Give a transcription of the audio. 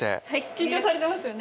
緊張されてますよね。